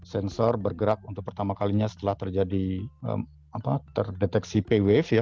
sensor bergerak untuk pertama kalinya setelah terjadi deteksi p wave